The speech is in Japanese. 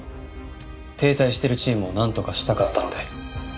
停滞してるチームをなんとかしたかったので。